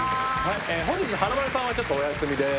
榮華丸さんはちょっとお休みで。